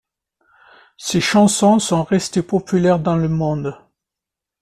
Ses chansons sont restées populaires dans le monde.